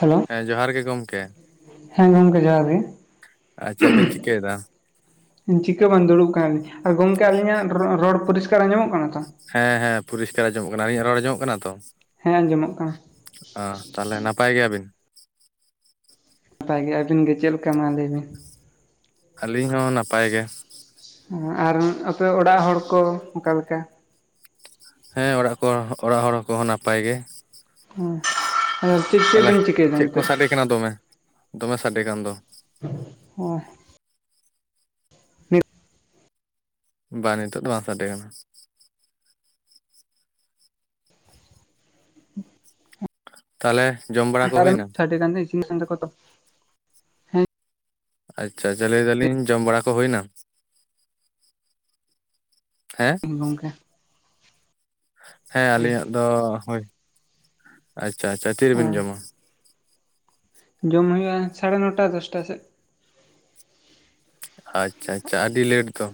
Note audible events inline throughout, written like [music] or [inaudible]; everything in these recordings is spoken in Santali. ᱦᱮᱞᱳ, ᱦᱮᱸ ᱡᱚᱦᱟᱨ ᱜᱤ ᱜᱩᱢᱠᱮ᱾ ᱦᱮᱸ ᱜᱩᱢᱠᱮ ᱡᱚᱦᱟᱨ ᱜᱤ᱾ ᱟᱨ ᱪᱮᱫ ᱵᱤᱱ ᱪᱤᱠᱟᱹᱭᱮᱫᱟ? ᱪᱤᱠᱟᱹ ᱦᱚᱸ ᱵᱟᱝ ᱫᱩᱲᱩᱵ ᱠᱟᱱᱟᱞᱤᱧ᱾ ᱟᱨ ᱜᱚᱝᱠᱮ ᱟᱹᱞᱤᱧᱟᱜ ᱨᱚᱲ ᱯᱚᱨᱤᱥᱠᱟᱨ ᱟᱸᱡᱚᱢᱚᱜ ᱠᱟᱱᱟ ᱛᱚ? ᱦᱮᱸ ᱦᱮᱸ ᱯᱚᱨᱤᱥᱠᱟᱨ ᱟᱡᱚᱢᱚᱜ ᱠᱟᱱᱟ᱾ ᱟᱞᱤᱧᱟᱜ ᱨᱚᱲ ᱟᱡᱚᱢᱚᱜ ᱠᱟᱱᱟ ᱛᱚ? ᱦᱮᱸ ᱟᱸᱡᱚᱢᱚᱜ ᱠᱟᱱᱟ᱾ ᱟ ᱛᱟᱦᱚᱞᱮ ᱱᱟᱯᱟᱭ ᱜᱮᱭᱟᱵᱤᱱ? ᱯᱟᱭ ᱜᱮ ᱟᱹᱵᱤᱱ ᱜᱮ ᱪᱮᱞᱠᱟ ᱢᱟ ᱞᱟᱹᱭ ᱵᱤᱱ? ᱟᱹᱞᱤᱧ ᱦᱚᱸ ᱱᱟᱯᱟᱭ ᱜᱮ᱾ ᱟᱨ ᱟᱯᱮ ᱚᱲᱟᱜ ᱦᱚᱲ ᱠᱚ ᱚᱠᱟ ᱞᱮᱠᱟ? ᱦᱮᱸ ᱚᱲᱟᱜ ᱠᱚ ᱚᱲᱟᱜ ᱦᱚᱲ ᱦᱚᱠᱚᱸ ᱱᱟᱯᱟᱭ ᱜᱮ᱾ ᱦᱮᱸ ᱪᱮᱫ ᱛᱟᱦᱚᱞᱮ ᱪᱮᱫᱵᱮᱱ ᱪᱤᱠᱟᱹ ᱮᱫᱟ ᱪᱮᱫ ᱠᱚ ᱱᱤᱛᱚᱜ? ᱥᱟᱰᱮ ᱠᱟᱱᱟ ᱫᱚᱢᱮ, ᱫᱚᱢᱮ ᱥᱟᱰᱮ ᱠᱟᱱ ᱫᱚ? ᱦᱳᱭ! ᱢᱤᱫ ᱵᱟᱝ, ᱱᱤᱛᱚᱜ ᱫᱚ ᱵᱟᱝ ᱥᱟᱰᱮ ᱠᱟᱱᱟ᱾ [inaudible] ᱛᱟᱦᱮᱞᱮ ᱡᱚᱢ ᱵᱟᱲᱟ ᱠᱚ ᱦᱩᱭᱱᱟ? [inaudible] ᱛᱷᱟᱴᱮ ᱜᱟᱱ ᱫᱚ ᱤᱥᱤᱱ ᱟᱠᱟᱱ ᱛᱟᱠᱚ ᱛᱚ᱾ ᱦᱮᱸ ᱟᱪᱪᱷᱟ ᱪᱷᱟ ᱞᱟᱹᱭ ᱮᱫᱟ ᱞᱤᱧ ᱡᱚᱢ ᱵᱟᱲᱟ ᱠᱚ ᱦᱩᱭ ᱮᱱᱟ? ᱦᱮᱸ? ᱜᱚᱝᱠᱮᱜ ᱦᱮᱸ ᱟᱹᱞᱤᱧᱟᱜ ᱫᱚ ᱦᱳᱭ, ᱟᱪᱪᱷᱟ ᱟᱪᱪᱷᱟ, ᱛᱤ ᱨᱤᱵᱤᱱ ᱡᱚᱢᱼᱟ? ᱡᱚᱢ ᱦᱩᱭᱩᱜᱼᱟ, ᱥᱟᱲᱮ ᱱᱚ ᱴᱟ ᱫᱚᱥ ᱴᱟ ᱥᱮᱫ᱾ ᱦᱟᱻᱪᱪᱷᱟ ᱟᱪᱪᱷᱟ ᱟᱹᱰᱤ ᱞᱮᱴ ᱫᱚ?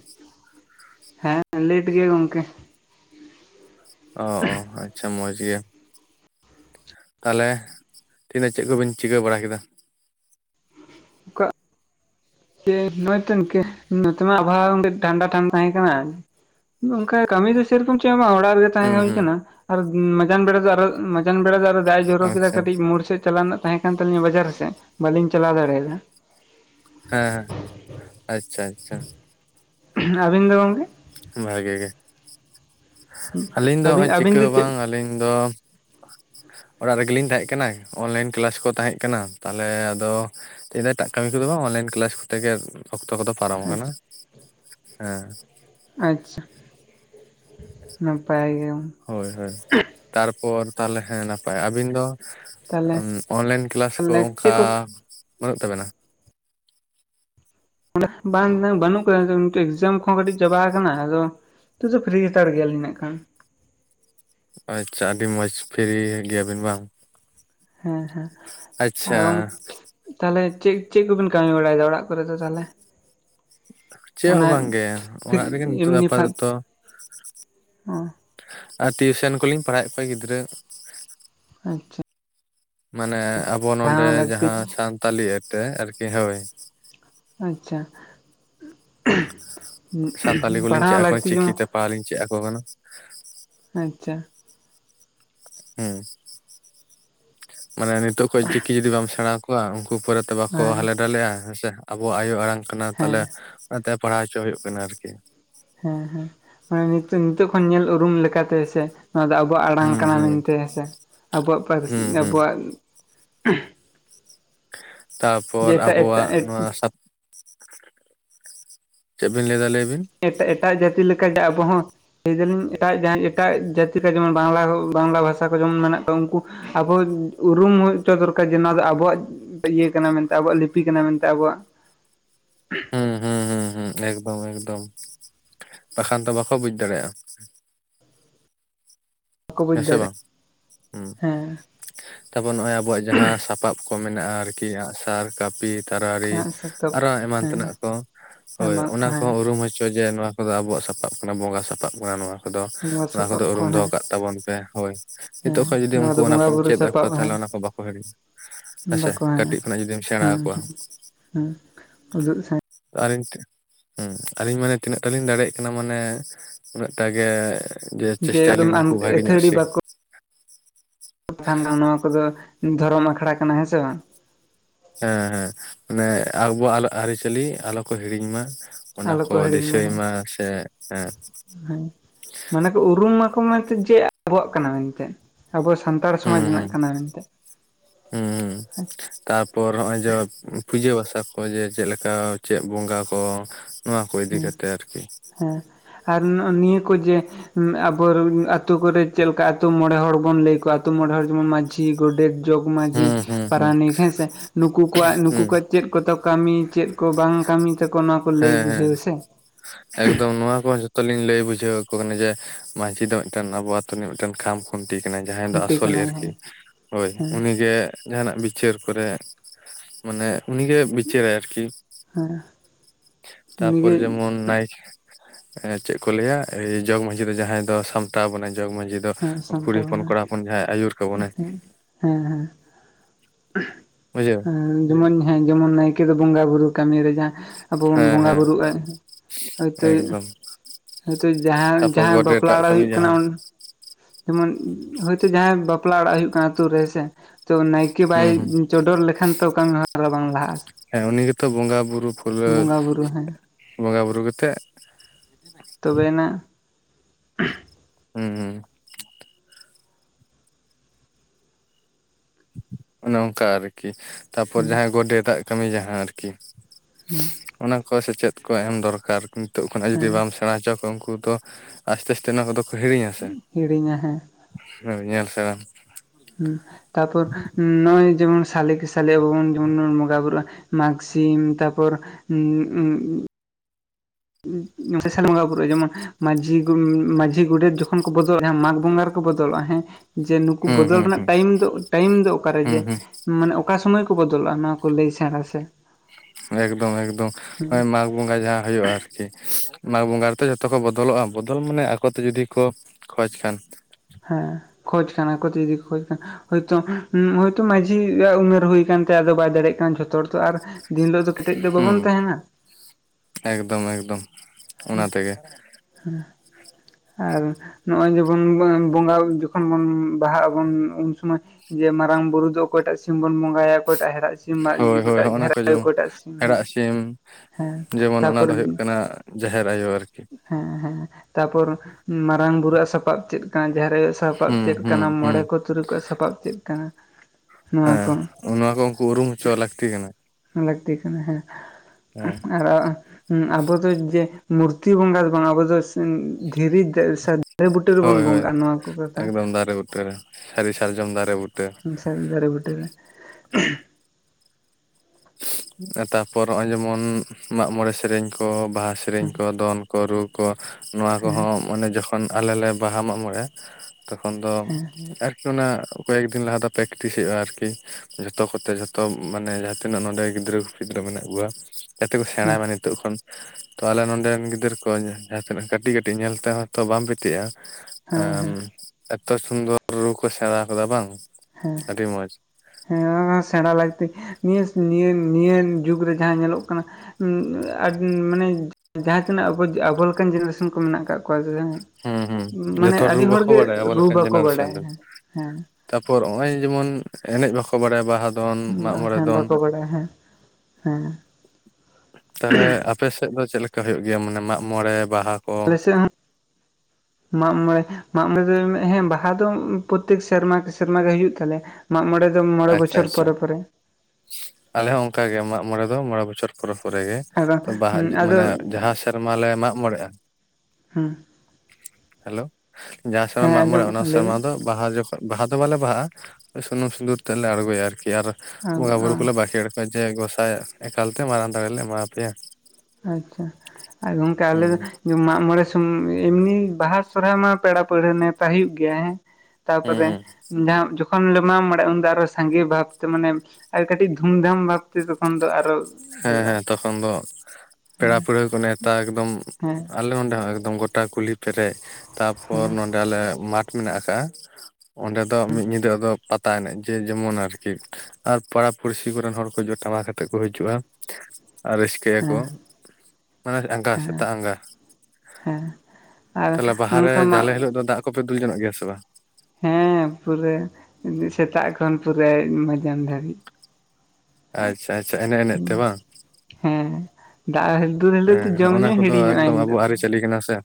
ᱦᱮᱸ [unintelligible] ᱞᱮᱴ ᱜᱮ ᱜᱚᱝᱠᱮ᱾ ᱳᱸ ᱳᱸ ᱟᱪᱪᱷᱟ ᱢᱚᱡᱽ ᱜᱮᱭᱟᱢ᱾ ᱛᱟᱦᱮᱞᱮ ᱛᱤᱱᱟᱹ ᱪᱮᱫ ᱠᱚᱵᱤᱱ ᱪᱤᱠᱟᱹ ᱵᱟᱲᱟ ᱠᱮᱫᱟ? ᱩᱠᱟᱹᱜᱼᱼ ᱪᱮ ᱱᱚᱜ-ᱚᱭ ᱛᱮᱱ ᱠᱮ, ᱱᱚᱛᱮ ᱢᱟ ᱟᱵᱷᱟᱻᱣ ᱴᱷᱟᱸᱱᱰᱟ ᱴᱷᱟᱸᱰ ᱛᱟᱦᱮᱸ ᱠᱟᱱᱟ᱾ ᱜᱚᱝᱠᱮ ᱠᱟᱹᱢᱤ ᱫᱚ ᱥᱟᱹᱭ ᱨᱚᱠᱚᱢ ᱪᱮᱜ ᱦᱚᱸᱵᱟᱝᱼᱟ, ᱚᱲᱟᱜ ᱨᱮᱜᱮᱼᱼ ᱛᱟᱦᱮᱸ ᱦᱩᱸ ᱦᱩᱭ ᱦᱩᱸ ᱠᱟᱱᱟ ᱟᱨ ᱢᱟᱸᱡᱟᱱ ᱵᱮᱲᱟ ᱫᱚ ᱟᱨᱚ ᱢᱟᱸᱡᱟᱱ ᱵᱮᱲᱟ ᱫᱚ ᱟᱨᱚ ᱫᱟᱜᱼᱮ ᱡᱚᱨᱚ ᱠᱮᱫᱟ ᱟᱪᱪᱷᱟ ᱠᱟᱹᱴᱤᱡ ᱢᱩᱲ ᱥᱮᱫᱼᱼ ᱪᱟᱞᱟᱣ ᱨᱮᱱᱟᱜ ᱛᱟᱦᱮᱸ ᱠᱟᱱ ᱛᱟᱹᱞᱤᱧᱟ ᱵᱟᱡᱟᱨ ᱥᱮᱫ, ᱵᱟᱹᱞᱤᱧ ᱪᱟᱞᱟᱣ ᱫᱟᱲᱮ ᱭᱟᱫᱟᱜᱼᱟ᱾ ᱦᱮᱸ ᱦᱮᱸ ᱟᱪᱪᱷᱟ ᱟᱪᱪᱷᱟ। [unintelligible] ᱟᱹᱵᱤᱱ ᱫᱚ ᱜᱚᱝᱠᱮ? ᱵᱷᱟᱜᱮ ᱜᱮ, ᱟᱹᱞᱤᱧ ᱫᱚ ᱟᱹᱵᱤᱱ ᱦᱚᱸᱜᱼᱚᱭ ᱪᱤᱠᱟᱹ ᱟᱹᱵᱤᱱ ᱫᱚ ᱪᱮᱫ ᱦᱚᱸᱵᱟᱝ ᱟᱹᱞᱤᱧ ᱫᱚᱼᱼ ᱚᱲᱟᱜ ᱨᱮᱜᱮᱞᱤᱧ ᱛᱟᱦᱮᱸᱜ ᱠᱟᱱᱟᱭ ᱚᱱᱞᱟᱹᱭᱤᱱ ᱠᱮᱞᱟᱥ ᱠᱚ ᱛᱟᱦᱮᱸᱜ ᱠᱟᱱᱟ, ᱛᱟᱦᱮᱞᱮ ᱟᱫᱚᱼᱼ ᱛᱮᱦᱮᱧ ᱫᱚ ᱮᱴᱟᱜ ᱠᱟᱹᱢᱤ ᱠᱚᱫᱚ ᱵᱟᱝᱼᱟ, ᱚᱱᱞᱟᱹᱭᱤᱱ ᱠᱮᱞᱟᱥ ᱠᱚᱛᱮ ᱜᱮ, ᱚᱠᱛᱚ ᱠᱚᱫᱚ ᱯᱟᱨᱚᱢ ᱟᱠᱟᱱᱟ, ᱟᱪᱪᱷᱟ ᱦᱮᱸ। ᱟᱪᱪᱷᱟ, ᱱᱟᱯᱟᱭ ᱜᱮᱭᱟᱢ᱾ ᱦᱳᱭ ᱦᱳᱭ ᱛᱟᱨᱯᱚᱨ ᱛᱟᱦᱚᱞᱮ ᱦᱮᱸ ᱱᱟᱯᱟᱭ, ᱟᱵᱤᱱ ᱫᱚ? ᱛᱟᱦᱚᱞᱮ ᱟᱩᱸᱻ ᱚᱱᱞᱟᱹᱭᱤᱱ ᱠᱮᱞᱟᱥ ᱠᱚ ᱛᱟᱦᱚᱞᱮ ᱚᱸᱠᱟ ᱪᱮᱫ ᱠᱚ ᱵᱟᱹᱱᱩᱜ ᱛᱟᱵᱮᱱᱟ? [unintelligible] ᱵᱟᱝ ᱱᱟᱭ ᱵᱟᱹᱱᱩᱜ ᱠᱚᱣᱟ [unintelligible] ᱜᱚᱝᱠᱮ ᱮᱠᱡᱟᱢ ᱠᱚᱦᱚᱸ ᱠᱟᱹᱴᱤᱡ ᱪᱟᱵᱟ ᱦᱟᱠᱟᱱᱟ ᱟᱫᱚᱼᱼ ᱛᱚᱜ ᱫᱚ ᱯᱷᱤᱨᱤ ᱦᱟᱛᱟᱲ ᱜᱮᱭᱟᱞᱤᱧ ᱱᱟᱹᱜ ᱠᱷᱟᱱ। ᱟᱪᱪᱷᱟ ᱟᱹᱰᱤ ᱢᱚᱸᱡᱽ ᱯᱷᱮᱨᱤ ᱦᱮᱜᱮᱭᱟᱵᱤᱱ ᱵᱟᱝ। ᱦᱮᱸ ᱦᱮᱸ ᱟᱨ ᱟᱪᱪᱷᱟ ᱜᱚᱝᱼᱼ ᱛᱟᱦᱮᱞᱮ ᱪᱮᱫ ᱪᱮᱫ ᱠᱚᱵᱤᱱ ᱠᱟᱹᱢᱤ ᱵᱟᱲᱟᱭᱮᱫᱟ ᱚᱲᱟᱜ ᱠᱚᱨᱮ ᱫᱚ ᱛᱟᱦᱮᱞᱮ? ᱪᱮᱜ ᱦᱚᱸ ᱵᱟᱝ ᱜᱮ, ᱯᱷᱤᱨ ᱚᱲᱟᱜ ᱨᱮᱜᱮ ᱱᱤᱛᱚᱜ ᱫᱚ ᱮᱢᱱᱤ ᱟᱯᱟ ᱯᱷᱟᱸᱠ ᱫᱚᱛᱚ। ᱚ ᱟᱨ ᱴᱤᱭᱩᱥᱮᱱ ᱠᱚᱞᱤᱧ ᱯᱟᱲᱦᱟᱣᱮᱜ ᱠᱚᱣᱟ ᱜᱤᱫᱽᱨᱟᱹ। ᱟᱪᱪᱷᱟ। ᱢᱟᱱᱮ ᱟᱵᱚ ᱱᱚᱸᱰᱮ ᱯᱟᱲᱦᱟᱣ ᱦᱚᱸ ᱞᱟᱹᱠᱛᱤ ᱡᱟᱦᱟᱸ ᱥᱟᱱᱛᱟᱞᱤ ᱤᱭᱟᱹᱛᱮ ᱟᱨᱠᱤ ᱦᱳᱭ। ᱟᱪᱪᱷᱟ, ᱟ [unintelligible] ᱯᱟᱲᱦᱟᱣ ᱞᱟᱹᱠᱛᱤ ᱡᱚᱸᱬᱚᱼᱼ ᱯᱟ ᱞᱤᱧ ᱪᱮᱜ ᱟᱠᱚ ᱠᱟᱱᱟ। ᱟᱪᱪᱷᱟ। ᱦᱩᱸ ᱢᱟᱱᱮ ᱱᱤᱛᱚᱜ ᱠᱷᱚᱡ ᱪᱤᱠᱤ ᱡᱩᱫᱤ ᱵᱟᱢ ᱥᱮᱬᱟ ᱦᱟᱠᱚᱣᱟ ᱩᱸᱠᱩ ᱯᱚᱨᱮᱼᱼ ᱛᱚ ᱵᱟᱠᱚ ᱦᱮᱸ ᱦᱟᱞᱮ ᱰᱷᱟᱞᱮᱜᱼᱟ ᱦᱮᱸᱥᱮ ᱟᱵᱚᱣᱟᱜ ᱟᱭᱳ ᱟᱲᱟᱝ ᱠᱟᱱᱟ ᱦᱮᱸ ᱛᱟᱦᱮᱞᱮᱼᱼ ᱚᱱᱟᱛᱮ ᱯᱟᱲᱦᱟᱣ ᱦᱚᱪᱚ ᱦᱩᱭᱩᱜ ᱠᱟᱱᱟ ᱟᱨᱠᱤ। ᱦᱮᱸ ᱦᱮᱸ, ᱦᱮᱸ ᱱᱤᱛᱚ ᱱᱤᱛᱚᱜ ᱠᱷᱚᱱ ᱧᱮᱞ ᱩᱨᱩᱢ ᱞᱮᱠᱟᱛᱮ ᱦᱮᱥᱮ᱾ ᱱᱚᱣᱟ ᱫᱚ ᱟᱵᱚᱣᱟᱜ ᱟᱲᱟᱝ ᱦᱩᱸ ᱠᱟᱱᱟ ᱦᱩᱸ ᱢᱮᱱᱛᱮ ᱦᱮᱸᱥᱮ, ᱟᱵᱚᱣᱟᱜ ᱯᱟᱹᱨᱥ ᱦᱩᱸ ᱦᱩᱸ ᱟᱵᱚᱣᱟᱜᱼᱼ ᱛᱟᱯᱚᱨ ᱮᱴᱟᱜ ᱮᱴᱟᱜ ᱟᱵᱚᱣᱟᱜ ᱱᱚᱣᱟ ᱥᱟᱯ ᱪᱮᱫ ᱵᱤᱱ ᱞᱟᱹᱭᱫᱟ ᱞᱟᱹᱭ ᱵᱤᱱ। ᱮᱴᱟᱜ ᱮᱴᱟᱜ ᱡᱟᱹᱛᱤ ᱞᱮᱠᱟᱜᱮ ᱟᱵᱚᱦᱚᱸ। ᱞᱟᱹᱭ ᱫᱟᱞᱤᱧ ᱮᱴᱟᱜ ᱡᱟᱦᱟᱸᱭ ᱮᱴᱟᱜ ᱡᱟᱹᱛᱤ ᱠᱚ ᱡᱮᱢᱚᱱ ᱵᱟᱝᱞᱟ ᱵᱟᱝᱞᱟ ᱵᱷᱟᱥᱟ ᱠᱚ ᱡᱮᱢᱚᱱ ᱢᱮᱱᱟᱜ ᱠᱚᱣᱟ ᱩᱱᱠᱩᱼᱼ ᱟᱵᱚ ᱩᱨᱩᱢ ᱦᱳᱭ ᱦᱚᱪᱚ ᱫᱚᱨᱠᱟᱨ ᱡᱮ ᱱᱚᱣᱟ ᱫᱚ ᱟᱵᱚᱣᱟᱜᱼᱼ ᱤᱭᱟᱹ ᱠᱟᱱᱟ ᱢᱮᱱᱛᱮ ᱟᱵᱚᱣᱟᱜ ᱞᱤᱯᱤ ᱠᱟᱱᱟ ᱢᱮᱱᱛᱮ ᱟᱵᱚᱣᱟᱜ ᱦᱩᱸ ᱦᱩᱸ ᱦᱩᱸ ᱦᱩᱸ ᱮᱠᱫᱚᱢ ᱮᱠᱫᱚᱢ ᱵᱟᱠᱷᱟᱱ ᱫᱚ ᱵᱟᱠᱚ ᱵᱩᱡᱽ ᱫᱟᱲᱮᱭᱟᱜᱼᱟ। ᱵᱟᱠᱚ ᱵᱩᱡᱽ ᱦᱮᱸ ᱥᱮ ᱵᱟᱝ ᱫᱟᱲᱮᱭᱟᱜᱼᱟ ᱦᱩᱸ। ᱦᱮᱸ ᱛᱟᱯᱚᱨ ᱱᱚᱜᱼᱚᱭ ᱟᱵᱚᱣᱟᱜ ᱡᱟᱦᱟᱸ ᱥᱟᱯᱟᱵ ᱠᱚ ᱢᱮᱱᱟᱜᱼᱟ ᱟᱨᱠᱤ ᱟᱸᱜᱼᱥᱟᱨ ᱠᱟᱹᱯᱤᱼᱼ ᱛᱟᱨᱣᱟᱨᱤ ᱦᱮᱸ ᱥᱟᱠᱟᱢ ᱟᱨᱚ ᱮᱢᱟᱱ ᱦᱮᱸ ᱛᱮᱱᱟᱜ ᱠᱚ ᱦᱳᱭ ᱮᱢᱟᱜ ᱠᱚ ᱚᱱᱟ ᱦᱮᱸ ᱠᱚᱦᱚᱸ ᱩᱨᱩᱢ ᱦᱚᱪᱚ ᱡᱮ ᱱᱚᱣᱟᱼᱼ ᱠᱚᱫᱚ ᱟᱵᱚᱣᱟᱜ ᱥᱟᱯᱟᱵ ᱠᱟᱱᱟ ᱵᱚᱸᱜᱟ ᱥᱟᱯᱟᱵ ᱠᱟᱱᱟ ᱱᱚᱣᱟ ᱠᱚᱫᱚ ᱵᱚᱸᱜᱟ ᱱᱚᱣᱟ ᱥᱟᱯᱟᱵ ᱠᱚᱫᱚ ᱠᱚ ᱩᱨᱩᱢ ᱦᱮᱸ ᱫᱚᱦᱚᱠᱟᱜ ᱛᱟᱵᱚᱱᱼᱼ ᱦᱳᱭ ᱱᱤᱛᱚᱜ ᱦᱮᱸ ᱠᱷᱚᱱ ᱡᱩᱫᱤ ᱱᱚᱣᱟ ᱩᱱᱠᱩ ᱫᱚ ᱚᱱᱟ ᱵᱚᱸᱜᱟ ᱠᱚᱢ ᱵᱩᱨᱩ ᱪᱮᱫ ᱥᱟᱯᱟᱵ ᱟᱠᱚᱣᱟ ᱛᱟᱦᱚᱞᱮ ᱦᱮᱸ ᱚᱱᱟ ᱠᱚ ᱵᱟᱠᱚ ᱦᱤᱲᱤᱧᱟ। ᱦᱮᱸᱥᱮ ᱵᱟᱠᱚ ᱦᱮᱸ ᱠᱟᱹᱴᱤᱡ ᱠᱷᱚᱱᱟᱜ ᱡᱩᱫᱤᱢ ᱥᱮᱬᱟ ᱦᱩᱸ ᱟᱠᱚᱣᱟ। ᱦᱩᱸ ᱩᱫᱩᱜ ᱥᱟᱸᱼᱼ ᱟᱨᱤᱴ ᱦᱩᱸ ᱟᱞᱤᱧ ᱢᱟᱱᱮ ᱛᱤᱱᱟᱹᱜ ᱴᱟ ᱞᱤᱧ ᱫᱟᱲᱮᱭᱟᱜ ᱠᱟᱱᱟ ᱢᱟᱱᱮ ᱩᱱᱟᱹᱜᱴᱟᱜ ᱜᱮ ᱡᱮ ᱮᱠᱫᱚᱢ ᱪᱮᱥᱴᱟᱭᱟᱞᱤᱧ ᱟᱢ ᱩᱱᱠᱩ ᱵᱷᱟᱜᱮ ᱧᱚᱜ ᱟᱹᱛᱷᱟᱹᱲᱤ ᱥᱮ ᱵᱟᱠᱚ ᱛᱟᱦᱮᱱ ᱠᱟᱱᱟ ᱱᱚᱣᱟ ᱠᱚᱫᱚ ᱫᱷᱚᱨᱚᱢ ᱟᱠᱷᱲᱟ ᱠᱟᱱᱟ ᱦᱮᱸᱥᱮ ᱵᱟᱝ? ᱦᱮᱸ ᱦᱮᱸ ᱢᱟᱱᱮ ᱟᱵᱚ ᱟᱞᱚ ᱟᱹᱨᱤᱪᱟᱹᱞᱤ ᱟᱞᱚ ᱠᱚ ᱦᱤᱲᱤᱧ ᱢᱟ᱾ ᱚᱱᱟ ᱠᱚ ᱫᱤᱥᱟᱹᱭ ᱢᱟ ᱥᱮ ᱦᱮᱸ ᱦᱩᱸ ᱢᱟᱱᱮ ᱠᱚ ᱩᱨᱩᱢ ᱢᱟᱠᱚ ᱢᱮᱱᱛᱮ ᱡᱮᱫ ᱟᱵᱚᱜ ᱠᱟᱱᱟ ᱢᱮᱱ ᱛᱮ ᱟᱵᱚ ᱥᱟᱱᱛᱟᱲ ᱦᱩᱸ ᱥᱚᱢᱟᱡ ᱦᱩᱸ ᱨᱮᱱᱟᱜ ᱠᱟᱱᱟ ᱢᱮᱱ ᱛᱮ ᱦᱩᱸ ᱦᱩ ᱛᱟᱨᱯᱚᱨ ᱱᱚᱜᱼᱚᱭ ᱡᱮ ᱯᱩᱡᱟᱹ ᱯᱟᱥᱟ ᱠᱚ ᱡᱮ ᱪᱮᱫᱠᱟ ᱪᱮᱫ ᱵᱚᱸᱜᱟ ᱠᱚ ᱱᱚᱣᱟ ᱠᱚ ᱤᱫᱤ ᱦᱮᱸ ᱠᱟᱛᱮ ᱟᱨᱠᱤ᱾ ᱦᱮᱸ ᱟᱨ ᱱᱤᱭᱟᱹ ᱠᱚ ᱡᱮ ᱦᱩᱸ ᱟᱵᱚ ᱨᱮᱱ ᱟᱛᱩ ᱠᱚᱨᱮ ᱪᱮᱞᱮᱠᱟ ᱟᱛᱩ ᱢᱚᱬᱮ ᱦᱚᱲ ᱵᱚᱱ ᱞᱟᱹᱭ ᱠᱚᱣᱟ ᱟᱛᱩ ᱢᱚᱬᱮ ᱦᱚᱲ ᱡᱮᱢᱚᱱ ᱢᱟᱡᱷᱤ ᱢᱟᱹᱡᱷᱤ ᱜᱚᱰᱮᱛ ᱡᱚᱜᱽ ᱢᱟᱹᱡᱷᱤ ᱦᱩᱸ ᱦᱩᱸ ᱦᱩᱸ ᱯᱟᱨᱟᱱᱤᱠ ᱦᱮᱸᱥᱮ ᱱᱩᱠᱩ ᱠᱚᱣᱟᱜ ᱱᱩᱠᱩ ᱦᱩᱸ ᱠᱚ ᱪᱮᱫ ᱠᱚᱛᱚ ᱠᱟᱹᱢᱤ ᱪᱮᱫ ᱠᱚ ᱵᱟᱝ ᱠᱟᱹᱢᱤ ᱛᱟᱠᱚ ᱱᱚᱣᱟ ᱠᱚ ᱞᱟᱹᱭ ᱦᱮᱸ ᱦᱮᱸ ᱵᱩᱡᱷᱟᱹᱣ᱾ ᱥᱮ ᱮᱠᱫᱚᱢ ᱱᱚᱣᱟ ᱠᱚᱦᱚᱸ ᱡᱚᱛᱚᱞᱤᱧ ᱞᱟᱹᱭ ᱵᱩᱡᱷᱟᱹᱣᱟᱠᱚ ᱠᱟᱱᱟ ᱡᱮ ᱢᱟᱸᱹᱡᱷᱤ ᱫᱚ ᱢᱤᱫᱴᱮᱱ ᱟᱵᱚ ᱟᱛᱳ ᱨᱤᱱᱤᱡ ᱢᱤᱫᱴᱮᱱ ᱠᱷᱟᱢ ᱠᱷᱩᱱᱴᱤ ᱠᱟᱱᱟᱭ ᱡᱟᱦᱟᱸᱭ ᱫᱚ ᱠᱷᱩᱱᱴᱤ ᱟᱥᱚᱞᱤᱜ ᱠᱟᱱᱟᱭ ᱟᱨᱠᱤ, ᱦᱮᱸ ᱦᱳᱭ ᱦᱮᱸ ᱩᱱᱤᱜᱮ ᱡᱟᱦᱟᱸᱱᱟᱜ ᱵᱤᱪᱟᱹᱨ ᱠᱚᱨᱮᱜ, ᱢᱟᱱᱮ ᱩᱱᱤᱜᱮ ᱵᱤᱪᱟᱹᱨᱟᱭ ᱟᱨᱠᱤ ᱾ ᱦᱮᱸ ᱛᱟᱯᱚᱨᱮ ᱩᱱᱤᱜᱮ ᱡᱮᱢᱚᱱ ᱱᱟᱭ ᱪᱮᱫ ᱠᱚ ᱞᱮᱭᱟ ᱮᱭ, ᱡᱚᱜᱽ ᱢᱟᱹᱡᱷᱤ ᱫᱚ ᱡᱟᱦᱟᱸᱭ ᱫᱚ ᱥᱟᱢᱴᱟᱣ ᱵᱚᱱᱟᱭ ᱡᱚᱜᱽ ᱢᱟᱹᱡᱷᱤ ᱫᱚ ᱦᱮᱸ ᱠᱩᱲᱤ ᱥᱟᱢᱴᱟᱣ ᱦᱚᱯᱚᱱ ᱵᱚᱱᱟᱭ ᱠᱚᱲᱟ ᱦᱚᱯᱚᱱ ᱡᱟᱦᱟᱸᱭ ᱟᱹᱭᱩᱨ ᱠᱟᱵᱚᱭᱟᱭ ᱾ ᱦᱮᱸ ᱦᱮᱸ ᱵᱩᱡᱷᱣ? ᱡᱮᱢᱚᱱ ᱮᱸ ᱡᱮᱢᱚᱱ ᱱᱟᱭᱠᱮ ᱫᱚ ᱵᱚᱸᱜᱟ ᱵᱩᱨᱩ ᱠᱟᱹᱢᱤ ᱨᱮ ᱡᱟᱦᱟᱸ ᱟᱵᱚ ᱵᱚᱱ ᱦᱮᱸ ᱵᱚᱸᱜᱟ ᱦᱮᱸ ᱵᱩᱨᱩᱜᱼᱟ, ᱦᱚᱭ ᱛᱳ ᱮᱠᱫᱚᱢ ᱦᱳᱭᱛᱳ ᱡᱟᱦᱟᱸ ᱛᱟᱯᱚᱨ ᱡᱟᱦᱟᱸᱟᱭ ᱜᱚᱰ ᱵᱟᱯᱞᱟ ᱨᱮᱴᱟᱜ ᱚᱲᱟᱜ ᱠᱟᱹᱢᱤ ᱦᱩᱭᱩᱜ ᱠᱟᱱᱟ ᱡᱟᱦᱟᱸ ᱡᱮᱢᱚᱱ ᱦᱳᱭᱛᱳ ᱡᱟᱦᱟᱸᱭ ᱵᱟᱯᱞᱟ ᱚᱲᱟᱜ ᱦᱳᱭᱳᱜ ᱠᱟᱱᱟ ᱟᱛᱩ ᱨᱮ ᱥᱮ, ᱛᱚ ᱱᱟᱭᱠᱮ ᱦᱩᱸ ᱵᱟᱭ ᱦᱩᱸ ᱪᱚᱰᱚᱨ ᱞᱮᱠᱷᱟᱱ ᱛᱚ ᱠᱟᱹᱢᱤ ᱦᱚᱨᱟ ᱵᱟᱝ ᱞᱟᱦᱟᱜᱼᱟ ᱾ ᱦᱮᱸ ᱩᱱᱤ ᱜᱮᱛᱚ ᱵᱚᱸᱜᱟ ᱵᱩᱨᱩ ᱯᱷᱩᱨᱞᱟᱹ ᱵᱚᱸᱜᱟ ᱵᱩᱨᱩ ᱦᱮᱸ ᱵᱚᱸᱜᱟ ᱵᱩᱨᱩ ᱠᱟᱛᱮᱜ ᱛᱚᱵᱮᱭᱱᱟᱜ ᱦᱩᱸ ᱦᱩᱸ ᱚᱱᱮ ᱚᱝᱠᱟ ᱟᱨᱠᱤ, ᱛᱟᱯᱚᱨ ᱡᱟᱦᱟᱸ ᱜᱚᱰᱮᱛᱟᱜ ᱠᱟᱹᱢᱤ ᱡᱟᱦᱟᱸ ᱟᱨᱠᱤ ᱦᱩᱸ ᱚᱱᱟ ᱠᱚ ᱥᱮᱪᱮᱫ ᱠᱚ ᱮᱢ ᱫᱚᱨᱠᱟᱨ, ᱱᱤᱛᱚᱜ ᱠᱷᱚᱱᱟᱜ ᱡᱩᱫᱤ ᱵᱟᱢ ᱥᱮᱸᱬᱟ ᱦᱚᱪᱚ ᱠᱚᱣᱟ ᱩᱱᱠᱩ ᱫᱚ ᱟᱥᱛᱮ ᱟᱥᱛᱮ ᱱᱚᱣᱟ ᱠᱚᱫᱚ ᱠᱚ ᱦᱤᱲᱤᱧᱟ ᱥᱮ, ᱦᱤᱲᱤᱧᱟ ᱦᱮᱸ ᱦᱳᱭ ᱧᱮᱞ ᱥᱮᱸᱬᱟ ᱦᱩᱸ, ᱛᱟᱯᱚᱨ ᱱᱚᱜᱼᱚᱭ ᱡᱮᱢᱚᱱ ᱥᱟᱞᱮ ᱠᱮ ᱥᱟᱞᱮ ᱟᱵᱚ ᱵᱚᱱ ᱡᱮᱢᱚᱱ ᱵᱚᱱ ᱵᱚᱸᱜᱟ ᱵᱩᱨᱩᱜᱼᱟ ᱢᱟᱜᱽ ᱥᱤᱢ ᱛᱟᱯᱚᱨ [unintelligible] ᱵᱚᱸᱜᱟ ᱵᱩᱨᱩᱼᱟ ᱡᱮᱢᱚᱱ ᱢᱟᱡᱷᱤ ᱢᱟᱡᱷᱤ ᱜᱚᱰᱮᱛ ᱡᱚᱠᱷᱚᱱ ᱠᱚ ᱵᱚᱫᱚᱞᱚᱜᱼᱟ, ᱡᱟᱦᱟᱸ ᱢᱟᱜᱽ ᱵᱚᱸᱜᱟ ᱨᱮᱠᱚ ᱵᱚᱫᱚᱞᱚᱜᱼᱟ ᱾ ᱦᱮᱸ ᱡᱮ ᱱᱩᱠᱩ ᱦᱩᱸ ᱵᱚᱫᱚᱞ ᱦᱩᱸ ᱨᱮᱱᱟᱜ ᱦᱩᱸ ᱴᱟᱭᱤᱢ ᱫᱚ ᱴᱟᱭᱤᱢ ᱫᱚ ᱚᱠᱟᱨᱮ ᱦᱩᱸ ᱡᱮ ᱢᱟᱱᱮ ᱚᱠᱟ ᱥᱚᱢᱟᱹᱭ ᱠᱚ ᱵᱚᱫᱚᱞᱚᱜᱼᱟ, ᱱᱚᱣᱟ ᱠᱚ ᱞᱟᱹᱭ ᱥᱮᱸᱬᱟ ᱥᱮ ᱾ ᱮᱠᱫᱚᱢ ᱮᱠᱫᱚᱢ, ᱦᱳᱭ ᱢᱟᱜᱽ ᱵᱚᱸᱜᱟ ᱡᱟᱦᱟᱸ ᱦᱳᱭᱳᱜᱼᱟ ᱟᱨᱠᱤ, ᱢᱟᱜᱽ ᱵᱚᱸᱜᱟ ᱨᱮᱛᱚ ᱡᱚᱛᱚ ᱠᱚ ᱵᱚᱫᱚᱞᱚᱜᱼᱟ, ᱵᱚᱫᱚᱞ ᱢᱟᱱᱮ ᱟᱠᱚᱛᱮ ᱡᱩᱫᱤ ᱠᱚ ᱠᱷᱚᱡᱽ ᱠᱷᱟᱱ ᱾ ᱦᱮᱸ, ᱠᱷᱚᱡᱽ ᱠᱷᱟᱱ, ᱟᱠᱚᱛᱮ ᱡᱩᱫᱤ ᱠᱚ ᱠᱷᱚᱡᱽ ᱠᱷᱟᱱ ᱦᱳᱭᱛᱳ ᱦᱚᱳᱭᱛᱳ ᱢᱟᱹᱡᱷᱤᱭᱟᱜ ᱩᱢᱮᱨ ᱦᱩᱭ ᱠᱟᱱᱛᱟᱭᱟ ᱟᱫᱚ ᱵᱟᱭ ᱫᱟᱲᱮᱭᱟᱜ ᱠᱟᱱᱟ, ᱡᱷᱚᱛᱚ ᱦᱚᱲ ᱛᱚ ᱟᱨ ᱫᱤᱱ ᱦᱤᱞᱳᱜ ᱫᱚ ᱠᱮᱴᱮᱡ ᱫᱚ ᱦᱩᱸ ᱵᱟᱵᱚᱱ ᱛᱟᱦᱮᱱᱟ ᱾ ᱮᱠᱫᱚᱢ ᱮᱠᱫᱚᱢ, ᱚᱱᱟ ᱛᱮᱜᱮ ᱦᱮᱸ ᱟᱨ ᱱᱚᱜᱼᱚᱭ ᱡᱮᱵᱚᱱ ᱵᱚᱸᱜᱟ ᱡᱚᱠᱷᱚᱱ ᱵᱚᱱ ᱵᱟᱦᱟ ᱟᱵᱚᱱ ᱩᱱ ᱥᱚᱢᱚᱭ ᱡᱮ ᱢᱟᱨᱟᱝ ᱵᱩᱨᱩ ᱫᱚ ᱚᱠᱚᱭᱴᱟᱜ ᱥᱤᱢ ᱵᱚᱱ ᱵᱚᱸᱜᱟᱭᱟ ᱚᱠᱚᱭᱴᱟᱜ ᱦᱮᱲᱟᱜ ᱥᱤ ᱦᱳᱭ ᱦᱳᱭ ᱦᱚᱜᱼᱚ ᱱᱚᱝᱠᱚ ᱡᱮᱢᱚᱱ ᱦᱮᱸ ᱦᱮᱲᱟᱜ ᱥᱤᱢ ᱦᱮᱸ ᱡᱮᱢᱚᱱ ᱚᱱᱟ ᱛᱟᱯᱚᱨ ᱫᱚ ᱦᱳᱭᱳᱜ ᱠᱟᱱᱟ ᱡᱟᱦᱮᱨ ᱟᱭᱳ ᱟᱨᱠᱤ ᱾ ᱦᱮᱸ ᱦᱮᱸ ᱛᱟᱯᱚᱨ ᱢᱟᱨᱟᱝ ᱵᱩᱨᱩᱣᱟᱜ ᱥᱟᱯᱟᱵ ᱪᱮᱫ ᱠᱟᱱᱟ ᱡᱟᱦᱮᱨ ᱟᱭᱳ ᱥᱟᱯᱟᱵ ᱦᱩᱸ ᱪᱮᱫ ᱦᱩᱸ ᱠᱟᱱᱟ ᱦᱩᱸ ᱢᱚᱬᱮ ᱠᱚ ᱛᱩᱨᱩᱭ ᱠᱚᱣᱟᱜ ᱥᱟᱯᱟᱵ ᱪᱮᱫ ᱠᱟᱱᱟ ᱱᱚᱣᱟ ᱠᱚ ᱦᱮᱸ ᱱᱚᱣᱟ ᱠᱚ ᱩᱱᱠᱩ ᱩᱨᱩᱢ ᱦᱚᱪᱚ ᱞᱟᱹᱠᱛᱤ ᱠᱟᱱᱟ ᱞᱟᱹᱠᱛᱤ ᱠᱟᱱᱟ ᱦᱮᱸ ᱦᱮᱸ ᱟᱨ ᱟᱵᱚ ᱫᱚ ᱡᱮ ᱢᱩᱨᱛᱤ ᱵᱚᱸᱜᱟ ᱫᱚ ᱵᱟᱝ ᱟᱵᱚ ᱫᱚ ᱫᱷᱤᱨᱤ ᱥᱮ ᱫᱟᱨᱮ ᱵᱩᱴᱟᱹ ᱨᱮᱵᱚᱱ ᱦᱳᱭ ᱦᱳᱭ ᱵᱚᱸᱜᱟᱜᱼᱟ ᱱᱚᱣᱟ ᱠᱚ ᱠᱟᱛᱷᱟ ᱮᱠᱫᱚᱢ ᱫᱟᱨᱮ ᱵᱩᱴᱟᱹ ᱨᱮ ᱥᱟᱹᱨᱤ ᱥᱟᱨᱡᱚᱢ ᱫᱟᱨᱮ ᱵᱩᱴᱟᱹ ᱥᱟᱨ ᱫᱟᱨᱮ ᱵᱩᱴᱟᱹ ᱨᱮ ᱟᱨ ᱛᱟᱯᱚᱨ ᱦᱚᱸᱜᱼᱚᱭ ᱡᱮᱢᱚᱱ ᱢᱟᱜ ᱢᱚᱬᱮ ᱥᱮᱨᱮᱧ ᱠᱚ ᱵᱟᱦᱟ ᱥᱮ ᱥᱮᱨᱮᱧ ᱦᱮᱸ ᱠᱚ ᱫᱚᱱ ᱠᱚ ᱨᱩ ᱠᱚ ᱱᱚᱣᱟ ᱦᱮᱸ ᱠᱚᱦᱚᱸ ᱢᱟᱱᱮ ᱡᱚᱠᱷᱚᱱ ᱟᱞᱮ ᱞᱮ ᱵᱟᱦᱟ ᱢᱟᱜ ᱢᱚᱬᱮᱜ-ᱟ ᱛᱚᱠᱷᱚᱱ ᱫᱚ ᱚᱱᱟ ᱠᱚᱭᱮᱠ ᱫᱤᱱ ᱞᱟᱦᱟ ᱫᱚ ᱯᱮᱠᱴᱤᱥ ᱦᱩᱭᱩᱜᱼᱟ ᱟᱨᱠᱤ ᱡᱷᱚᱛᱚ ᱠᱚᱛᱮ ᱡᱷᱚᱛᱚ ᱢᱟᱱᱮ ᱛᱤᱱᱟᱹᱜ ᱱᱚᱰᱮ ᱜᱤᱫᱽᱨᱟᱹ ᱯᱤᱫᱽᱨᱟᱹ ᱢᱮᱱᱟᱜ ᱠᱚᱣᱟ ᱡᱟᱛᱮ ᱠᱚ ᱥᱮᱬᱟᱭ ᱦᱮᱸ ᱢᱟ ᱢᱟᱱᱮ ᱱᱤᱛᱚᱜ ᱠᱷᱚᱱ ᱛᱚ ᱟᱞᱮ ᱱᱚᱸᱰᱮᱱ ᱜᱤᱫᱟᱹᱨ ᱠᱚ ᱡᱟᱦᱟᱸ ᱛᱤᱱᱟᱹᱜ ᱠᱟᱹᱴᱤᱡ ᱠᱟᱹᱴᱤᱡ ᱧᱮᱞ ᱛᱮᱦᱚᱸ ᱛᱚ ᱵᱟᱢ ᱯᱟᱹᱛᱤᱭᱟᱹᱜᱼᱟ ᱦᱮᱸ ᱦᱮᱸ ᱮᱛᱚ ᱥᱩᱱᱫᱚᱨ ᱨᱩ ᱠᱚ ᱥᱮᱬᱟ ᱠᱟᱫᱟ ᱵᱟᱝ ᱦᱮᱸ ᱟᱹᱰᱤ ᱢᱚᱸᱡᱽ ᱦᱮᱸ ᱚᱱᱟ ᱥᱮᱬᱟ ᱞᱟᱹᱠᱛᱤ ᱱᱤᱭᱟᱹ ᱱᱤᱭᱟᱹ ᱱᱤᱭᱟᱹ ᱡᱩᱜᱽ ᱨᱮ ᱡᱟᱦᱟᱸ ᱧᱮᱞᱚᱜ ᱠᱟᱱᱟ ᱢᱟᱱᱮ ᱡᱟᱦᱟᱸᱛᱤᱱᱟᱹᱜ ᱟᱵᱚ ᱞᱮᱠᱟᱱ ᱡᱮᱱᱟᱨᱮᱥᱚᱱ ᱠᱚ ᱢᱮᱱᱟᱜ ᱠᱟᱜ ᱠᱚᱣᱟ ᱥᱮ ᱦᱮᱸ ᱦᱩᱸ ᱦᱩᱸ ᱢᱟᱱᱮ ᱡᱚᱛᱚ ᱨᱩ ᱟᱹᱰᱤ ᱦᱚᱲ ᱵᱟᱠᱚ ᱜᱮ ᱵᱟᱲᱟᱭᱟ ᱟᱵᱚ ᱨᱩ ᱞᱮᱠᱟᱱ ᱵᱟᱠᱚ ᱡᱮᱱᱟᱨᱮᱥᱚᱱ ᱵᱟᱰᱟᱭᱟ ᱨᱮᱱ ᱦᱮᱸ ᱛᱟᱯᱚᱨ ᱱᱚᱜ ᱚᱭ ᱡᱮᱢᱚᱱ ᱮᱱᱮᱡ ᱵᱟᱠᱚ ᱠᱚ ᱵᱟᱲᱟᱭᱟ ᱵᱟᱦᱟ ᱫᱚᱱ ᱢᱟᱜᱢᱚᱬᱮ ᱦᱮᱸ ᱫᱚᱱ ᱵᱟᱠᱚ ᱵᱟᱰᱟᱭᱟ ᱦᱮᱸ ᱦᱮᱸ ᱛᱟᱦᱞᱮ ᱟᱯᱮ ᱥᱮᱫ ᱫᱚ ᱪᱮᱫᱞᱮᱠᱟ ᱦᱩᱭᱩᱜ ᱜᱮᱭᱟ ᱢᱟᱱᱮ ᱢᱟᱜ ᱢᱚᱬᱮ ᱵᱟᱦᱟ? ᱠᱚ ᱟᱞᱮ ᱥᱮᱫ ᱦᱚᱸ᱾ [unintelligible] ᱢᱟᱜ ᱢᱚᱬᱮ ᱢᱟᱜ ᱢᱚᱬᱮ ᱦᱮᱸ ᱵᱟᱦᱟ ᱫᱚ ᱯᱨᱚᱛᱮᱠ ᱥᱮᱨᱢᱟ ᱥᱮᱨᱢᱟ ᱜᱮ ᱦᱩᱭᱩᱜ ᱛᱟᱞᱮᱭᱟ᱾ ᱢᱟᱜ ᱢᱚᱬᱮ ᱫᱚ ᱢᱚᱬᱮ ᱟᱪᱪᱷᱟ ᱵᱚᱪᱷᱚᱨ ᱟᱪᱪᱷᱟ ᱯᱚᱨᱮ ᱯᱚᱨᱮ᱾ ᱟᱞᱮ ᱦᱚᱸ ᱚᱱᱠᱟ ᱜᱮ ᱢᱟᱜ ᱢᱚᱬᱮ ᱫᱚ ᱢᱚᱬᱮ ᱵᱚᱪᱷᱚᱨ᱾ ᱯᱚᱨᱮ ᱯᱚᱨᱮ ᱜᱮ ᱟᱫᱚ ᱛᱚ ᱵᱟᱦᱟ ᱟᱫᱚ ᱢᱟᱱᱮ ᱡᱟᱦᱟᱸ ᱥᱮᱨᱢᱟᱞᱮ ᱢᱟᱜ ᱢᱚᱬᱮᱜᱼᱟ᱾ ᱦᱩᱸ ᱦᱮᱞᱳ ᱡᱟᱦᱟᱸ ᱥᱮᱨᱢᱟ ᱢᱟᱜ ᱢᱚᱬᱮ ᱟᱸᱡᱚᱢᱚᱜ ᱚᱱᱟ ᱠᱟᱱᱟ ᱞᱟᱹᱭ ᱥᱮᱨᱢᱟ ᱵᱮᱱ ᱫᱚ᱾ ᱵᱟᱦᱟ ᱡᱚᱠᱷᱚᱡ ᱵᱟᱦᱟ ᱫᱚ ᱵᱟᱞᱮ ᱵᱟᱦᱟᱜᱼᱟ ᱥᱩᱱᱩᱢ ᱥᱤᱸᱫᱩᱨ ᱛᱮᱞᱮ ᱟᱬᱜᱚᱭᱟ ᱟᱨᱠᱤ ᱟᱨ᱾ ᱵᱚᱸᱜᱟ ᱵᱩᱨᱩ ᱠᱚᱞᱮ ᱵᱟᱠᱷᱮᱲ ᱠᱚᱣᱟ ᱡᱮ ᱜᱚᱸᱥᱟᱭ ᱮᱠᱟᱞᱛᱮ ᱢᱟᱨᱟᱝ ᱫᱟᱲᱮ ᱞᱮ ᱮᱢᱟ ᱯᱮᱭᱟ᱾ ᱟᱪᱪᱷᱟ ᱠᱚᱝᱠᱮ ᱟᱞᱮ᱾ ᱦᱩᱸ ᱢᱟᱜ ᱢᱚᱬᱮ ᱥᱚ ᱮᱢᱱᱤ ᱵᱟᱦᱟ ᱥᱚᱨᱦᱟᱭ ᱢᱟ ᱯᱮᱲᱟ ᱯᱟᱹᱲᱦᱟᱹ ᱱᱮᱶᱛᱟ ᱦᱩᱭᱩᱜ ᱜᱮᱭᱟ ᱦᱮᱸ᱾ ᱦᱩᱸ ᱛᱟᱯᱚᱨᱮ ᱦᱩᱸ ᱡᱟᱦᱟᱸᱼᱼ ᱛᱚᱠᱷᱚᱱ ᱞᱮ ᱢᱟᱢ ᱵᱟᱲᱟᱭ ᱩᱱᱫᱚ ᱟᱨᱚ ᱥᱟᱸᱜᱮ ᱵᱷᱟᱵᱛᱮ ᱢᱟᱱᱮ ᱟᱨ ᱠᱟᱹᱴᱤᱡ ᱫᱷᱩᱢᱫᱷᱟᱢ ᱵᱷᱟᱵᱛᱮ ᱛᱚᱠᱷᱚᱱ ᱫᱚ ᱟᱨᱚ᱾ ᱦᱮᱸ ᱦᱩᱭᱩᱜᱼᱟ ᱦᱮᱸ ᱛᱚᱠᱷᱚᱱ ᱫᱚ ᱦᱮᱸ ᱯᱮᱲᱟ ᱯᱟᱹᱲᱦᱟᱹ ᱠᱚ ᱱᱮᱣᱛᱟ ᱮᱠᱫᱚᱢ ᱦᱮᱸ ᱟᱞᱮ ᱱᱚᱸᱰᱮ ᱦᱚᱸ ᱮᱠᱫᱚᱢ ᱦᱚᱸ᱾ ᱜᱚᱴᱟ ᱠᱩᱞᱦᱤ ᱯᱮᱨᱮᱡ ᱛᱟᱨᱯᱚᱨ ᱦᱮᱸ ᱱᱚᱰᱮ ᱟᱞᱮ ᱢᱟᱴᱷ ᱢᱮᱱᱟᱜ ᱟᱠᱟᱜᱼᱟ᱾ ᱚᱸᱰᱮ ᱫᱚ ᱢᱤᱫ ᱧᱤᱫᱟᱹ ᱟᱫᱚ᱾ ᱯᱟᱛᱟ ᱮᱱᱮᱡ ᱡᱮ ᱡᱮᱢᱚᱱ ᱟᱨᱠᱤ ᱟᱨ ᱯᱟᱲᱟ ᱯᱩᱲᱥᱤ ᱠᱚᱨᱮᱱ ᱦᱚᱲ ᱠᱚ ᱦᱤᱡᱩᱜᱼᱟ ᱴᱟᱢᱟᱠ ᱟᱛᱮᱫ ᱠᱚ ᱦᱤᱡᱩᱜᱼᱟ᱾ ᱟᱨ ᱨᱟᱹᱥᱠᱟᱹᱭᱟ ᱠᱚ ᱦᱮᱸ ᱟᱸᱜᱟ ᱥᱮᱛᱟᱜ ᱟᱸᱜᱟ᱾ ᱦᱮᱸ ᱟᱨ ᱛᱟᱦᱚᱞᱮ ᱵᱟᱦᱟᱨᱮ ᱱᱚᱝᱠᱟ ᱡᱟᱞᱮ ᱢᱟᱜ ᱦᱤᱞᱳᱜ ᱫᱚ ᱫᱟᱜ ᱠᱚᱯᱮ ᱫᱩᱞ ᱡᱚᱧᱚᱜ ᱜᱮᱭᱟ ᱥᱮ ᱵᱟ? ᱦᱮᱸ ᱯᱩᱨᱟᱹ ᱥᱮᱛᱟᱜ ᱠᱷᱚᱱ ᱯᱩᱨᱟᱹ ᱢᱟᱡᱟᱢ ᱫᱷᱟᱵᱤᱡ᱾ ᱟᱪᱪᱷᱟ ᱟᱪᱪᱷᱟ ᱮᱱᱮᱡ ᱮᱱᱮᱡ ᱛᱮ ᱵᱟᱝ᱾ ᱦᱮᱸ ᱫᱟᱜ ᱫᱩᱞ ᱦᱤᱞᱳᱜ ᱫᱚ ᱡᱚᱢ ᱧᱩ ᱦᱤᱲᱤᱧᱚᱜᱼᱟ ᱮᱱᱦᱤᱞᱳᱜ᱾ ᱪᱟᱞᱤ ᱠᱟᱱᱟ ᱥᱮ᱾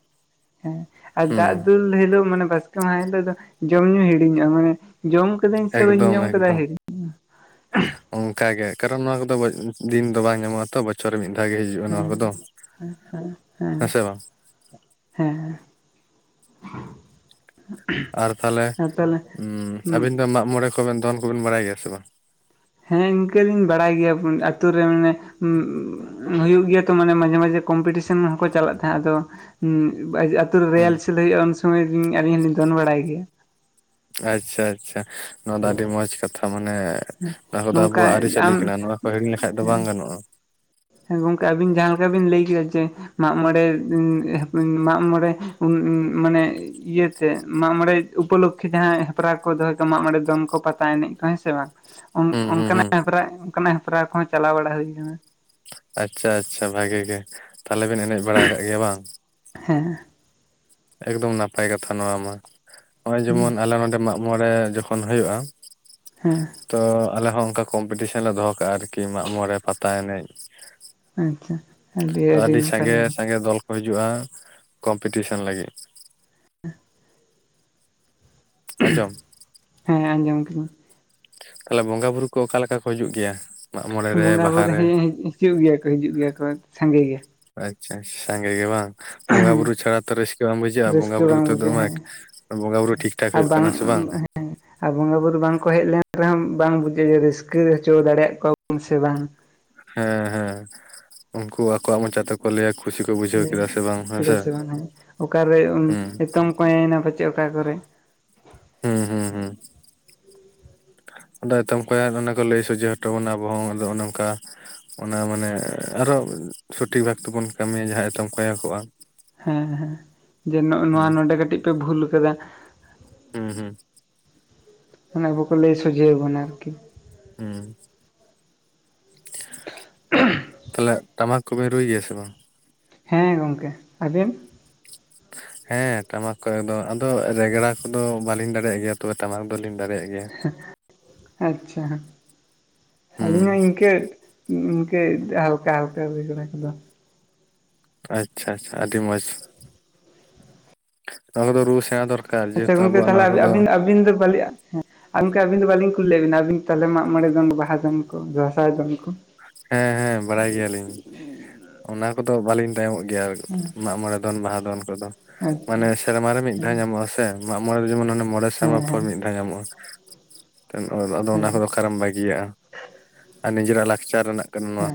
ᱦᱮᱸ ᱟᱨ ᱦᱩᱸ ᱫᱟᱜ ᱫᱩᱞ ᱦᱤᱞᱳᱜ ᱢᱟᱱᱮ ᱵᱟᱥᱠᱮ ᱢᱟᱦᱟ ᱦᱤᱞᱳᱜ ᱫᱚ ᱡᱚᱢ ᱧᱩ ᱦᱤᱲᱤᱧᱚᱜᱼᱟ ᱢᱟᱱᱮ ᱡᱚᱢ᱾ ᱡᱚᱢ ᱠᱮᱹᱫᱟᱹᱧ ᱥᱮ ᱵᱟᱹᱧ ᱮᱠᱫᱚᱢ ᱡᱚᱢ ᱠᱮᱫᱟ ᱦᱤᱲᱤᱧ᱾ ᱚᱱᱠᱟ ᱜᱮ, ᱠᱟᱨᱚᱱ ᱱᱚᱣᱟ ᱠᱚᱫᱚ ᱫᱤᱱ ᱫᱚ ᱵᱟᱝ ᱧᱟᱢᱚᱜ-ᱟ ᱛᱚ᱾ ᱵᱚᱪᱷᱚᱨ ᱨᱮ ᱢᱤᱫ ᱫᱷᱟᱣ ᱜᱮ ᱦᱤᱡᱩᱜᱼᱟ ᱱᱚᱣᱟ ᱦᱮᱸ ᱠᱚᱫᱚ ᱦᱮᱸ ᱥᱮ ᱵᱟᱝ? ᱦᱮᱸ, ᱟᱨ ᱛᱟᱦᱞᱮ ᱟᱨ ᱛᱟᱦᱚᱞᱮ ᱩᱸ ᱟᱵᱤᱱ ᱫᱚ ᱢᱟᱜ ᱢᱚᱬᱮᱸ ᱠᱚᱵᱤᱱ ᱫᱚᱱ ᱠᱚᱵᱤᱱ ᱵᱟᱲᱟᱭ ᱜᱮᱭᱟ ᱥᱮ ᱵᱟᱝ? ᱦᱮᱸ ᱤᱱᱠᱟᱹ ᱫᱩᱧ ᱵᱟᱲᱟᱭ ᱜᱮᱭᱟ, ᱟᱛᱳ ᱨᱮ ᱢᱟᱱᱮ ᱩᱸ᱾ ᱦᱩᱭᱩᱜ ᱜᱮᱭᱟ ᱛᱚ ᱢᱟᱱᱮ ᱢᱟᱡᱷᱮ ᱢᱟᱡᱷᱮ ᱠᱚᱢᱯᱤᱴᱤᱥᱮᱱ ᱦᱚᱸᱠᱚ ᱪᱟᱞᱟᱜ ᱛᱟᱦᱮᱸᱜ ᱟᱫᱚ᱾ ᱩᱢ ᱟᱹᱛᱩ ᱨᱮ ᱦᱩᱸ ᱨᱤᱦᱟᱭᱟᱞᱥᱚᱞ ᱦᱩᱭᱩᱜᱼᱟ ᱩᱱ ᱥᱚᱢᱚᱭ ᱩᱢ ᱟᱹᱞᱤᱧ ᱦᱚᱞᱤᱧ ᱫᱚᱱ ᱵᱟᱲᱟᱭ ᱜᱮᱭᱟ᱾ ᱟᱪᱪᱷᱟ ᱟᱪᱪᱷᱟ, ᱱᱚᱣᱟ ᱫᱚ ᱟᱹᱰᱤ ᱢᱚᱸᱡᱽ ᱠᱟᱛᱷᱟ ᱢᱟᱱᱮ᱾ ᱱᱚᱣᱟ ᱠᱚᱫᱚ ᱟᱵᱚᱣᱟᱜ ᱱᱚᱝᱠᱟ ᱟᱹᱨᱤᱪᱟᱹᱞᱤ ᱟᱢ ᱠᱟᱱᱟ ᱱᱚᱣᱟ ᱠᱚ ᱦᱤᱸᱲᱤᱝ ᱞᱮᱠᱷᱟᱡ ᱫᱚ ᱵᱟᱝ ᱜᱟᱱᱚᱜᱼᱟ᱾ ᱦᱮᱸ ᱜᱚᱝᱠᱮ ᱟᱹᱵᱤᱱ ᱡᱟᱦᱟᱸ ᱞᱮᱠᱟ ᱵᱤᱱ ᱞᱟᱹᱭ ᱠᱮᱭᱟ ᱡᱮ᱾ ᱢᱟᱜᱢᱚᱲᱮᱸ [unintelligible] ᱢᱟᱜᱢᱚᱚᱲᱮᱸ [unintelligible] ᱢᱟᱱᱮ ᱤᱭᱟᱹ ᱡᱮ ᱢᱟᱜ ᱢᱚᱬᱮᱸ ᱩᱯᱚᱞᱳᱠᱠᱷᱮ ᱡᱟᱦᱟᱸ ᱦᱮᱯᱨᱟᱣ ᱠᱚ ᱫᱚᱦᱚᱭ ᱢᱟᱜ ᱢᱚᱬᱮᱸ ᱫᱚᱱ ᱠᱚ ᱯᱟᱛᱟ ᱮᱱᱮᱡ ᱠᱚ ᱦᱮᱸ ᱥᱮ ᱵᱟᱝ? ᱚᱱ ᱦᱩᱸ ᱦᱩᱸ ᱦᱩᱸ ᱚᱱᱠᱟᱱᱟᱜ ᱦᱮᱯᱨᱟᱣ ᱠᱚᱦᱚᱸ ᱪᱟᱞᱟᱣ ᱵᱟᱲᱟ ᱦᱳᱣ ᱟᱠᱟᱱᱟ᱾ ᱟᱪᱪᱷᱟ ᱟᱪᱪᱷᱟ, ᱵᱷᱟᱜᱤ ᱜᱮ ᱛᱟᱦᱞᱮ ᱵᱮᱱ ᱮᱱᱮᱡ ᱵᱟᱲᱟ ᱟᱠᱟᱜ ᱜᱮᱭᱟ ᱵᱟᱝ᱾ ᱦᱮᱸ, ᱮᱠᱫᱚᱢ ᱱᱟᱯᱟᱭ ᱠᱟᱛᱷᱟ ᱱᱚᱣᱟ ᱢᱟ, ᱱᱚᱜᱼᱚᱭ ᱦᱮᱸ ᱡᱮᱢᱚᱱ ᱟᱞᱮ ᱱᱚᱸᱰᱮ ᱢᱟᱜ ᱢᱚᱬᱮ ᱡᱚᱠᱷᱚᱱ ᱦᱳᱣᱳᱜᱼᱟ᱾ ᱦᱮᱸ ᱛᱚ ᱟᱞᱮ ᱦᱚᱸ ᱚᱱᱠᱟ ᱠᱚᱢᱯᱤᱴᱤᱥᱮᱱ ᱞᱮ ᱫᱚᱦᱚ ᱠᱟᱜᱼᱟ ᱟᱨᱠᱤ ᱢᱟᱜ ᱢᱚᱬᱮᱸ ᱯᱟᱛᱟ ᱮᱱᱮᱡ᱾ ᱟᱪᱪᱷᱟ, ᱛᱚ ᱟᱹᱰᱤ ᱥᱟᱸᱜᱮ ᱥᱟᱸᱜᱮ ᱫᱚᱞ ᱠᱚ ᱦᱤᱡᱩᱜᱼᱟ ᱠᱚᱢᱯᱤᱴᱤᱥᱮᱱ ᱞᱟᱹᱜᱤᱫ᱾ [inaudible] ᱟᱸᱡᱚᱢ [unintelligible] ᱦᱮᱸ ᱟᱸᱡᱚᱢ ᱠᱟᱹᱧ ᱛᱟᱦᱞᱮ ᱵᱚᱸᱜᱟ ᱵᱩᱨᱩ ᱠᱚ ᱚᱠᱟ ᱞᱮᱠᱟ ᱠᱚ ᱦᱤᱡᱩᱜ ᱜᱮᱭᱟ? ᱢᱟᱜ ᱢᱚᱬᱮ ᱨᱮ ᱵᱚᱸᱜᱟ ᱵᱟᱦᱟ ᱵᱩᱨᱩ ᱨᱮ ᱦᱮᱸ ᱦᱮᱸ ᱦᱤᱡᱩᱜ ᱜᱮᱭᱟ ᱠᱚ ᱦᱤᱡᱩᱜ ᱜᱮᱭᱟ ᱠᱚ ᱦᱮᱸ ᱥᱟᱸᱜᱮ ᱜᱮ᱾ ᱟᱪᱪᱷᱟ ᱥᱟᱸᱜᱮ ᱜᱮ ᱵᱟᱝ, ᱵᱚᱸᱜᱟ ᱵᱩᱨᱩ ᱪᱷᱟᱲᱟ ᱛᱚ ᱨᱟᱹᱥᱠᱟᱹ ᱵᱟᱝ ᱵᱩᱡᱷᱟᱹᱜᱼᱟ ᱵᱚᱸᱜᱟ ᱨᱟᱹᱥᱠᱟᱹ ᱵᱩᱨᱩ ᱵᱟᱝ ᱛᱚ ᱵᱩᱡᱷᱟᱹᱜᱼᱟ ᱫᱚᱢᱮ ᱦᱮᱸ ᱵᱚᱸᱜᱟᱼᱵᱩᱨᱩ ᱴᱷᱤᱠ ᱴᱷᱟᱠ ᱦᱳᱭᱳᱜ ᱠᱟᱱᱟ ᱥᱮ ᱵᱟᱝ, ᱟᱨ ᱵᱚᱸᱜᱟ ᱵᱩᱨᱩ ᱵᱟᱝ ᱠᱚ ᱦᱮᱡ ᱞᱮᱱ ᱨᱮᱦᱚᱸ ᱵᱟᱝ ᱵᱩᱡᱟᱹᱜ-ᱟ ᱨᱟᱹᱥᱠᱟᱹ ᱦᱚᱪᱚ ᱫᱟᱲᱮᱭᱟᱜ ᱠᱚᱣᱟ ᱵᱚᱱ ᱥᱮ ᱵᱟᱝ᱾ ᱦᱮᱸ ᱦᱮᱸ ᱩᱱᱠᱩ ᱟᱠᱚᱣᱟᱜ ᱢᱚᱸᱪᱟ ᱛᱮᱠᱚ ᱞᱟᱹᱭᱟ ᱠᱩᱥᱤ ᱠᱚ ᱵᱩᱡᱷᱟᱹᱣ ᱠᱮᱫᱟ ᱥᱮ ᱵᱟᱝ ᱦᱮᱸᱥᱮ᱾ ᱚᱠᱟ ᱨᱮ ᱦᱩᱸ ᱮᱛᱚᱢ ᱠᱚᱸᱭᱮ ᱮᱱᱟ ᱯᱟᱪᱮᱫ ᱚᱠᱟ ᱠᱚᱨᱮ, ᱦᱩᱸ ᱦᱩᱸ ᱦᱩᱸ [inaudible] ᱟᱫᱚ ᱮᱛᱚᱢ ᱠᱚᱭᱟ ᱚᱱᱟ ᱠᱚ ᱞᱟᱹᱭ ᱥᱚᱡᱷᱮ ᱦᱚᱸᱴᱚ ᱵᱚᱱᱟ ᱚᱱᱟ ᱦᱚᱸ ᱟᱫᱚ ᱚᱱᱮ ᱱᱚᱝᱠᱟ ᱚᱱᱟ ᱢᱟᱱᱮ ᱟᱨ ᱦᱚᱸ ᱥᱚᱴᱷᱤᱠ ᱵᱷᱟᱵ ᱛᱮᱵᱚᱱ ᱠᱟᱹᱢᱤᱭᱟ ᱡᱟᱦᱟᱸ ᱮᱛᱚᱢ ᱠᱚᱸᱭᱮ ᱠᱚᱜᱼᱟ᱾ ᱦᱮᱸ ᱦᱮᱸ, ᱡᱮ ᱱᱚᱜ ᱱᱚᱣᱟ ᱦᱩᱸ ᱱᱚᱸᱰᱮ ᱠᱟᱹᱴᱤᱡ ᱯᱮ ᱵᱷᱩᱞ ᱠᱟᱫᱟ, ᱦᱩᱸ ᱦᱩᱸ, ᱚᱱᱟ ᱠᱚ ᱠᱚ ᱞᱟᱹᱭ ᱥᱚᱡᱷᱮᱭᱟ ᱵᱚᱱᱟ ᱟᱨᱠᱤ᱾ ᱦᱩᱸ, ᱛᱟᱦᱞᱮ ᱴᱟᱢᱟᱠ ᱠᱚ ᱵᱤᱱ ᱨᱩᱭ ᱜᱮᱭᱟ ᱥᱮ ᱵᱟᱝ? ᱦᱮᱸ ᱜᱚᱝᱠᱮ᱾ ᱟᱵᱤᱱ? ᱦᱮᱸ ᱴᱟᱢᱟᱠ ᱠᱚ ᱫᱚ ᱟᱫᱚ ᱨᱮᱜᱽᱲᱟ ᱠᱚᱫᱚ ᱵᱟᱹᱞᱤᱧ ᱫᱟᱲᱮᱭᱟᱜ ᱜᱮᱭᱟ ᱛᱚᱵᱮ ᱴᱟᱢᱟᱠ ᱫᱚᱞᱤᱧ ᱫᱟᱲᱮᱭᱟᱜ ᱜᱮᱭᱟ᱾ ᱦᱩᱸ ᱟᱹᱞᱤᱝ ᱚ ᱤᱱᱠᱟᱹ ᱤᱱᱠᱟᱹ ᱦᱟᱞᱠᱟ ᱦᱟᱞᱠᱟ ᱨᱮᱜᱽᱲᱟ ᱠᱚ ᱫᱚ᱾ ᱟᱪᱪᱷᱟ ᱟᱪᱪᱷᱟ, ᱟᱹᱰᱤ ᱢᱚᱡᱽ᱾ ᱱᱚᱣᱟ ᱠᱚ ᱫᱚ ᱨᱩ ᱥᱮᱸᱲᱟ ᱫᱚᱨᱠᱟᱨ᱾ ᱟᱪᱪᱷᱟ ᱡᱮᱦᱮᱛᱩ ᱜᱚᱝᱠᱮ ᱟᱵᱚᱣᱟᱜ ᱛᱟᱦᱞᱮ ᱱᱚᱣᱟ ᱠᱚᱫᱚ ᱟᱹᱵᱤ-ᱟᱹᱵᱤᱱ ᱟᱹᱵᱤᱱ ᱫᱚ [unintelligible] ᱟ ᱜᱚᱝᱠᱮ ᱟᱹᱵᱤᱱ ᱫᱚ ᱵᱟᱞᱤᱝ ᱠᱩᱞᱤ ᱞᱮᱫ ᱵᱤᱱᱟ ᱟᱹᱵᱤᱱ ᱛᱟᱦᱞᱮ ᱢᱟᱜ ᱢᱚᱬᱮᱸ ᱫᱚᱱ, ᱵᱟᱦᱟᱸ ᱫᱚᱱ ᱠᱚ, ᱫᱟᱸᱥᱟᱭ ᱫᱚᱱ ᱠᱚ ᱦᱮᱸ ᱦᱮᱸ ᱵᱟᱲᱟᱭ ᱜᱮᱭᱟᱞᱤᱝ, ᱚᱱᱟ ᱠᱚᱫᱚ ᱵᱟᱞᱤᱝ ᱛᱟᱭᱚᱢᱚᱜ ᱜᱮᱭᱟ ᱟᱨ ᱢᱟᱜ ᱢᱚᱬᱮᱸ ᱫᱚᱱ, ᱵᱟᱦᱟ ᱫᱚᱱ ᱠᱚᱫᱚ ᱟᱪᱪᱷᱟ ᱢᱟᱱᱮ ᱥᱮᱨᱢᱟ ᱨᱮ ᱢᱤᱫ ᱫᱷᱟᱣ ᱧᱟᱢᱚᱜ ᱟᱥᱮ᱾ ᱢᱟᱜ ᱢᱚᱸᱬᱮ ᱫᱚ ᱡᱮᱢᱚᱱ, ᱢᱚᱸᱬᱮ ᱦᱮᱸ ᱥᱮᱨᱢᱟ ᱯᱚᱨ ᱦᱮᱸ ᱢᱤᱫ ᱫᱷᱟᱣ ᱧᱟᱢᱚᱜᱼᱟ᱾ ᱟ-ᱟᱫᱚ ᱟᱫᱚ ᱚᱱᱟ ᱦᱮᱸ ᱠᱚᱫᱚ ᱚᱠᱟ ᱠᱚᱨᱮᱢ ᱵᱟᱹᱜᱤᱭᱟᱜᱼᱟ, ᱟᱨ ᱱᱤᱡᱮᱨᱟᱜ ᱞᱟᱠᱪᱟᱨ ᱨᱮᱱᱟᱜ ᱠᱟᱱᱟ ᱱᱚᱣᱟ᱾ ᱦᱮᱸ